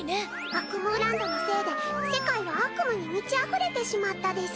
アクムーランドのせいで世界は悪夢に満ちあふれてしまったです。